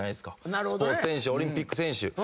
スポーツ選手オリンピック選手。